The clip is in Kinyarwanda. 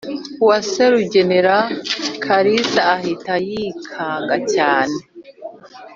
wa se rugenera"kalisa ahita yikanga cyane